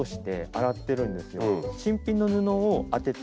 新品の布を当てて。